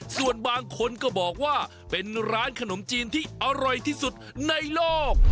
ส่วนบางคนก็บอกว่าเป็นร้านขนมจีนที่อร่อยที่สุดในโลก